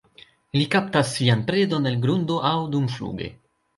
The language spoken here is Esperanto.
Ili kaptas sian predon el grundo aŭ dumfluge.